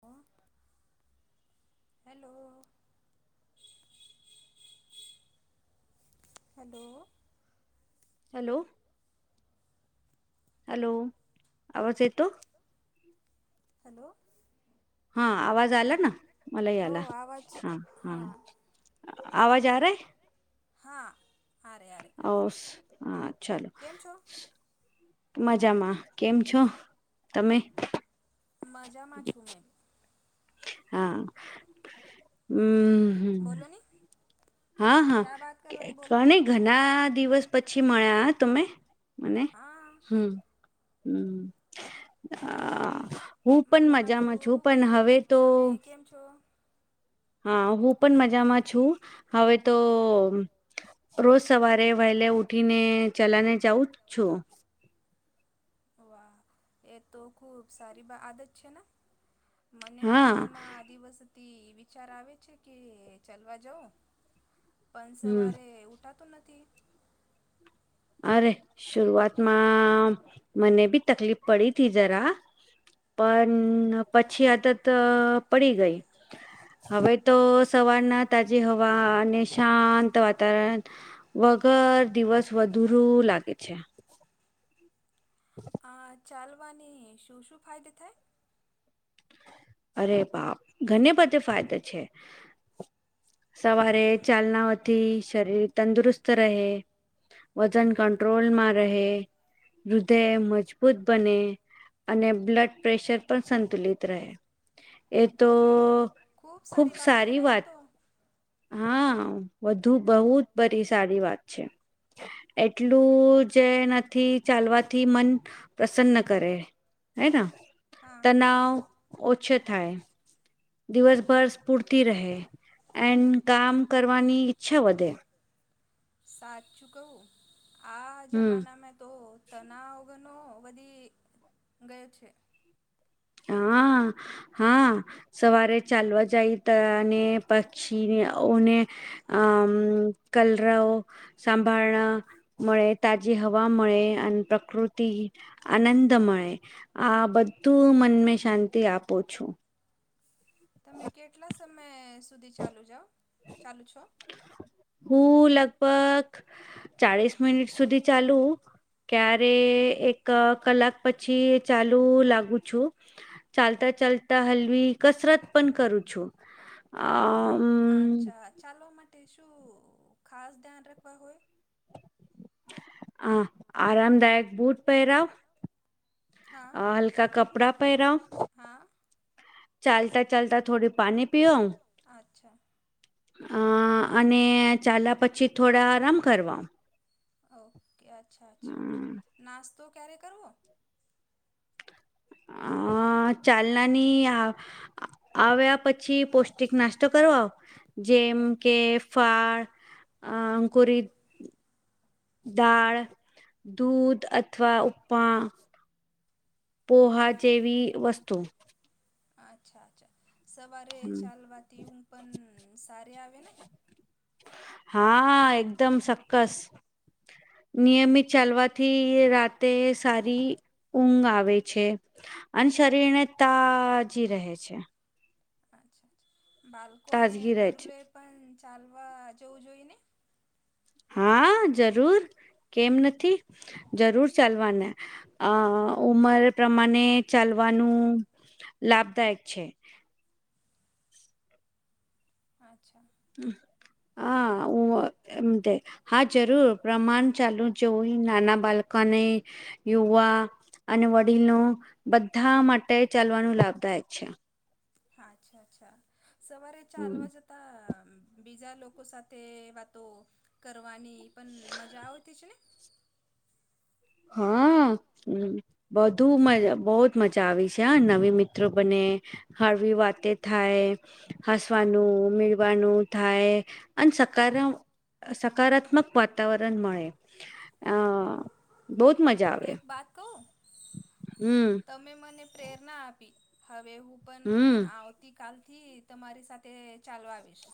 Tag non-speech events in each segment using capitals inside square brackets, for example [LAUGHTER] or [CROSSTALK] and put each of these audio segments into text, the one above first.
હ hello hello hello hello આવાજ એતો હેલો હા આવાજ આલા મલયાલા હા હા અવાજ આરા હે [UNINTELLIGIBLE] હા આરે આરે કેમ છો? મજામાં કેમ છો તમે? મજામાં છું મે હા હમ્મ બોલો ની ક્યા વાત કરવાની બોલો ની ધણા દિવસ પછી મળ્યા તમે મને હા હમ્મ હમ્મ આ હું પણ મજામાં છું પણ હવે તો.. હા હું પણ મજામાં છું હવે તો રોજ સવારે વહેલે ઉઠીને ચલાને જઉ જ છું. વાહ એ તો ખુબ બા સારી આદત છે ને મને પણ ઘણા દિવસથી વિચાર આવે છે કે ચાલવા જવ પણ સવારે ઉઠાતું નથી. અરે શરૂઆતમાં મને બી તકલીફ પડી હતી જરા પણ પછી આદત પડી ગઈ. હવે તો સવારના તાજી હવા અને શાંત વાતાવરણ વગર દિવસ વધુરું લાગે છે. આ ચાલવાને શું શું ફાયદે થાય? અરે બાપ ઘને બધે ફાયદા છે સવારે ચાલનાઓથી શરીર તંદુરસ્ત રહે. વજન કંટ્રોલમાં રહે. હૃદય મજબૂત બને અને બ્લડ પ્રેશર પણ સંતુલિત રહે. એ તો ખૂબ સારી બાત છે ના એ તો હમ્મ વધુ બહુ જ બધી સારી વાત છે. એટલું જે નથી ચાલવાથી મન પ્રસન્ન કરે હેના તનાવ ઓછો થાય. દિવસભર સ્ફુરતી રહે એન્ડ કામ કરવાની ઈચ્છા વધે સાચું કવું આ જમાનામાંં તો તનાવ ધણો વધી ગયો છે. હા હા સવારે ચાલવા જાય તને પક્ષી ઓ ને આમ કલરાવ સંભ્ળાય મળે તાજી હવા મળે અને પ્રકૃતિ આનંદ મળે આ બધું મનને શાંતિ આપુ છે. તમે કેટલા સમય સુધી ચાલી જાઓ ચાલો છો હું લગભગ ચાલીસ મિનિટ સુધી ચાલુ ક્યારે એક કલાક પછી ચાલુ લાગુ છું. ચાલતા ચાલતા હલવી કસરત પણ કરું છું અ અચ્છા ચાલવા માટે શું ખાસ ધ્યાન રાખવા હોય હ આરામદાયક બુટ પહેરાવ અ હલકા કપડા પહેરાવ હા. ચાલતા ચાલતા થોડી પાણી પિઓ, અચ્છા. અને ચાલ્યા પછી થોડા આરામ કરવા. ઓકે અચ્છા અચ્છા નાસ્તો ક્યારે કરવો? અ ચાલનાની હ આવ્યા પછી પૌષ્ટિક નાસ્તો કરવો. જેમ કે ફાળ અ અંકુરી દાળ, દૂધ અથવા ઉપમા. પોહા જેવી વસ્તુ. અચ્છા અચ્છા સવારે ચાલવાથી ઉન પણ સારી આવે ને? હા હા એકદમ સક્કસ. નિયમિત ચાલવાથી રાતે સારી ઊંઘ આવે છે અને શરીર ને તાજી રહે છે. અચ્છા અચ્છા બાળકોને બડુલોએ પણ ચાલવા જવું જોઈએ ને? હા જરૂર કેમ નથી? જરૂર ચાલવાને અ ઉમર પ્રમાણે ચાલવાનું લાભદાયક છે. અચ્છા. આ હું એમ તે. હા જરૂર પ્રમાણ ચાલુ જોવું નાના બાળકોને યુવા અને વડીલો બધા માટે ચાલવાનું લાભદાયક છે. અચ્છા અચ્છા સવારે ચાલવા જ પામ બીજા લોકો સાથે વાતો કરવાની પણ મજા આવતી છેને? હા, હમ્મ. બધુ મજ બવ જ મજા આવી છે હ નવી મિત્રો બને હારવી વાતે થાય. હસવાનું મીળવાનું થાય અને સકારા સકારાત્મક વાતાવરણ મળે અ બહુત મજા. એક બાત કહું? હમ્મ. તમે મને પ્રેરણા આપી હવે હું પણ આવ તી કાલ થી તમારી સાથે ચાલવા આવીશ.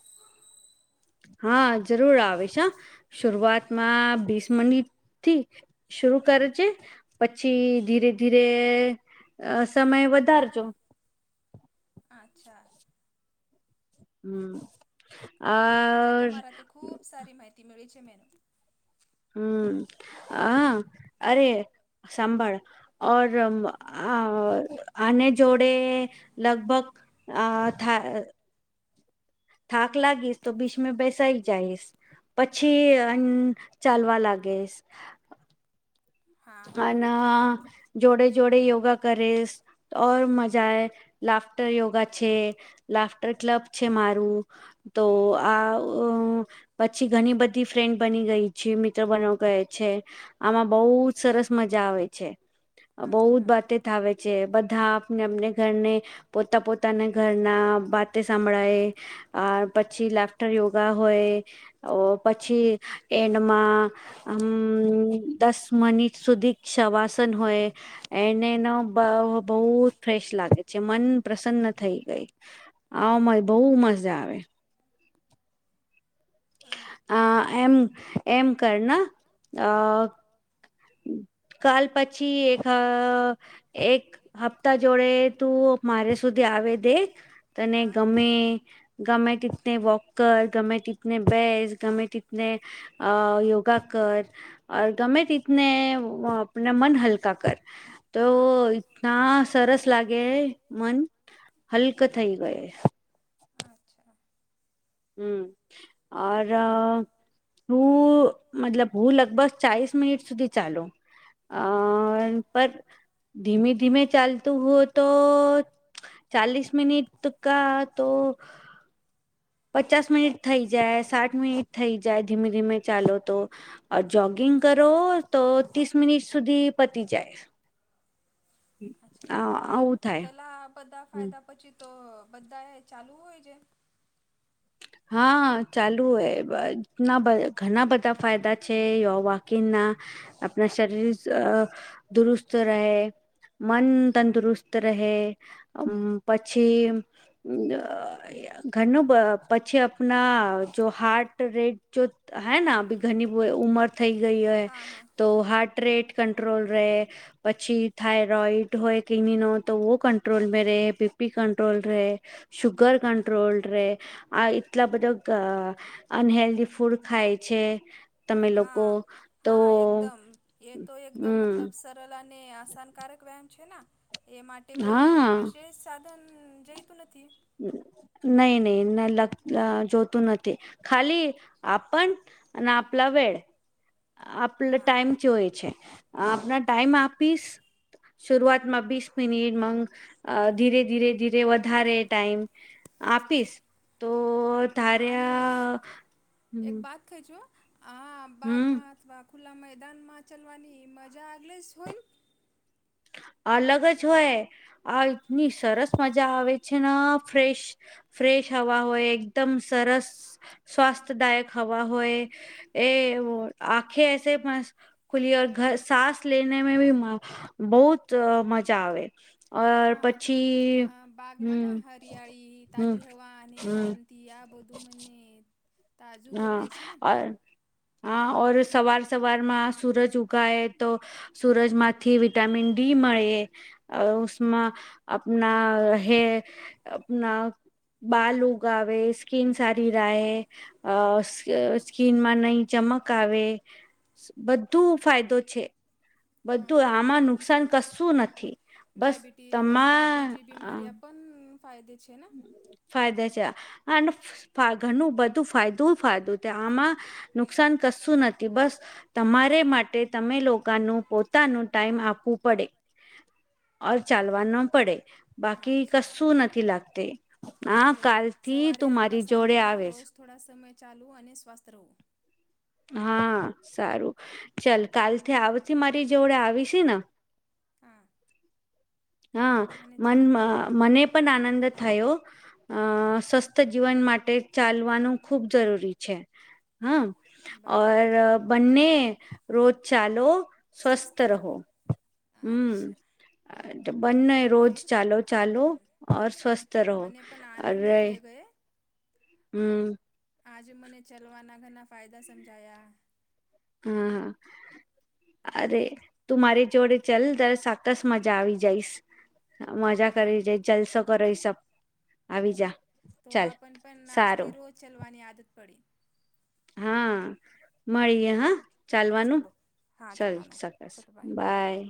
હા જરૂર આવિશ હા શરૂઆતમાં બીસ મનિટ થી શરુ કરે છે, પછી ધીરે ધીરે અ સમય વધારજો અચ્છા. હમ્મ. આ આજે તમારા તે ખૂબ સારી માહિતી મેળવી છે મને. હમ્મ આ અરે સંભાળ. ઔર આને જોડે લગભગ આ થા થાક લાગીશ તો બીચમે બેસાઈ જાઈશ પછી અ ચાલવા લાગીસ. અને જોડે જોડે યોગા કરીશ. ઓર મજા આવે લાફ્ટર યોગા છે, લાફ્ટર ક્લબ છે મારું. તો આ અ પછી ઘણી બધી ફ્રેન્ડ બની ગઈ છે મિત્ર બનવા ગય છે આમાં બહુ સરસ મજા આવે છે. બહુ જ બાતે થાવે છે બધા ને અમને ઘરને પોતા પોતાના ઘરના બાતે સાંભળાયે. આ પછી લાફ્ટર યોગા હોય. ઓ પછી એન્ડમાં અમ દસ મની સુધી શવાસન હોય એને એનો બહુ ફ્રેશ લાગે છે મન પ્રસન્ન થઈ ગઈ આવ મજ બહુ મજા આવે અ એમ એમ કરના અ કાલ પછી એક એક હપ્તા જોડે તું મારે સુધી આવે દેખ તને ગમે ગમેટતને વોકર ગમેટતને બેસ ગમેટતને અ યોગા કર ગમે રીતે ને આપના મન હલકા કર તો તના સરસ લાગે મન હલક થઈ ગય અચ્છા હમ ઓ હું મતલબ હું લગભગ ચાળસ મિનિટ સુધી ચાલુ અ પર ધીમે ધીમે ચાલતું હોય તો ચાલીસ મિનિટ ક તો પચાસ મિનિટ થઈ જાય સાત મિનિટ થઈ જાય ધીમે ધીમે ચાલો તો જોગિંગ કરો તો ત્રીસ મિનિટ સુધી પતી જાય વાતલા બધા ફાયદા પછી તો બધા એ ચાલુ હોય છે હા ચાલુ હોય ના ઘણા બધા ફાયદા છે વાકિંગ ના આપણા શરીર અ દુરુસ્ત રહે મન તંદુરુસ્ત રહેમ પછી હ ઘરનું પછી આપણા જો હાર્ટ રેટ જો હે બી ઘણી ઉમર થઈ ગઈ હોય તો હાર્ટ રેટ કંટ્રોલ રહે પછી થાયરોઈડ હોય કિની ન તો કંટ્રોલ મે રહે બીપી કંટ્રોલ રહે સુુગર કંન્ટ્રોલે આ એટલા બધા અનહેલ્ધ ફૂડ ખાય છે હા હા એકદમ એ તો એકદમ મતલબ આસાનકારક વમ છે એ માટે કોઈ વિશેષ પણ જઈતું નથી નહી નહી લ જોતું નથી ખાલી આપણ અને આપલા વેડ આપલે ટાઈમ જોય છે આપણા ટાઈમ આપીશ સુરઆતમાં વીસ મિનિટ મ ધીરે ધીરે ધીરે વધારે ટાઈમ આપીશ તો તારે્યા હમ હા બાગમાંથવા ખુલ્લા મેદાનમાં ચલવાની મજા આગલેસ હોઈ અલગ જ હોય આ એતની સરસ મજા આવે છે ને ફ્રેશ ફ્રેશ હવા હોય એકદમ સરસ સ્વાસ્થદાયક હવા હોય એ આખે એસેસ ખુલી ઘર સાસ લેને મે ભી બહુત મજા આવેવે હા મતલબ અ બાગમાં ના હરિયાળી તાજી હવા અને શા ત આ બધું મને તાજું કરી દે છે ને હ ઔર સવાર સવારમાં સૂરજ ઉગાએ તો સુૂરજમાંથી વિટામિન ડી મળે અ ઉમાં આપના રહે આપના બાલ ઉગાવે સ્કીન સારી રહે અ સ્કીિનમાં નઈ ચમક આવે બધું ફાયદો છે બધું આમાં નુકસાન કશું નથી ડાાયબિટીઝ અથવા બીજી બિમારી પણ ફાયદે છે, ને ફાયદ્યા છે, અને ઘણું બધું ફાયદું, ફાયદું છે આમાં નુકસાન કશું નથી બસ તમારે માટે તમે લોકોનું પોતાનું ટાઈમ આપવું પડે ચાલવા ન પડે બાકી કશું નથી લાગતી હા, કાલ થી તું મારી જોડે આવેશ થોડા સમય ચાલો અને, સ્વસ્થ રહવો હા, સારું ચાલ કાલથી આવથી મારી જોવડે આવીશ ને હા. હા, મન મને પણ આનંદ થયો. અ સ્વસ્થ જીવન માટે ચાલવાનું ખુબ જરૂરી છે, હમ ઔ, બંને રોજ ચાલો સ્વસ્થ રહો હમ. બને રોજ ચાલો ચાલોર સ્વસ્થ રહો અ હમ. આજે મને ચલવાના ઘણા ફાયદા સમજાયા હમ, હા અરે તું, મારી જોડે ચલ તર સાકસ મજા આવી જઈશ મજા કરી જે જલસો કરો એ સબ આવી જા તો, આપણ પણ નાસ્તી રોજ ચાલવાની આદત પડી હા, મળીએે હા ચાલવાનું ચાલ સકાસ બાય